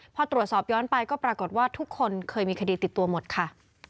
พอตรวจสอบย้อนไปก็ปรากฏว่าทุกคนเคยมีคดีติดตัวหมดค่ะ